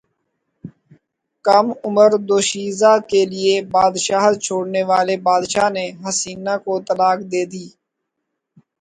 کم عمر دوشیزہ کیلئے بادشاہت چھوڑنے والے بادشاہ نے حسینہ کو طلاق دیدی